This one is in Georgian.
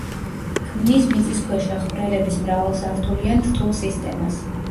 ქმნის მიწისქვეშა ხვრელების მრავალსართულიან რთულ სისტემას.